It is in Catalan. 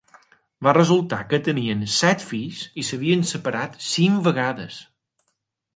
Va resultar que tenien set fills i s'havien separat cinc vegades.